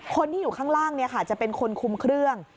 คนที่อยู่ข้างล่างจะเป็นคนคุมเครื่อง